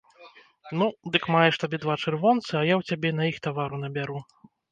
Ну, дык маеш табе два чырвонцы, а я ў цябе на іх тавару набяру.